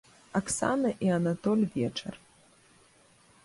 Аксана і анатоль вечар.